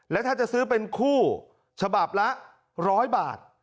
และถ้าจะซื้อเป็นคู่ฉบับละ๑๐๐บาท